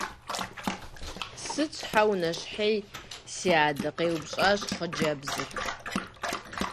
- Сыт, щхьэ унэщхъей, си адэ? - къеупщӀащ хъыджэбзыр.